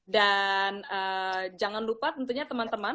dan jangan lupa tentunya teman teman